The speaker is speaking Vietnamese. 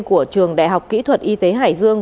của trường đại học kỹ thuật y tế hải dương